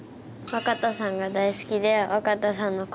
若田さんが大好きで若田さんの。